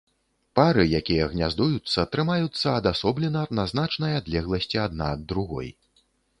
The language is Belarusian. Пары, якія гняздуюцца, трымаюцца адасоблена на значнай адлегласці адна ад другой.